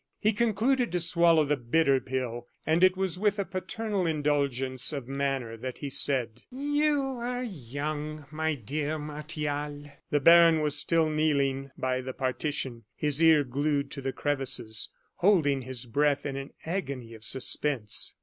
He concluded to swallow the bitter pill; and it was with a paternal indulgence of manner that he said: "You are young, my dear Martial." The baron was still kneeling by the partition, his ear glued to the crevices, holding his breath in an agony of suspense.